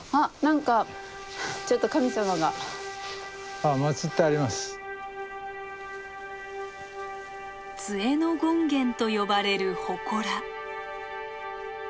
あっ杖の権現と呼ばれるほこら。